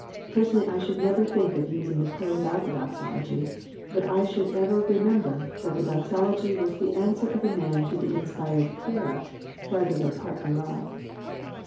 Personally I should never think of using the prayer without the doxology, but I should ever remember that the doxology was the answer of man to the inspired prayer rather than a part thereof.